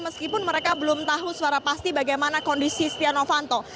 meskipun mereka belum tahu secara pasti bagaimana kondisi setia novanto